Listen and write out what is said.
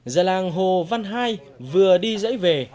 già làng hồ văn hai vừa đi dãy về